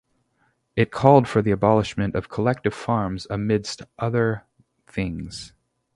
It called for the abolishment of collective farms, amidst other things.